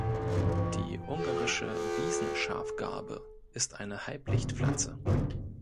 Die Ungarische Wiesen-Schafgarbe ist eine Halblichtpflanze.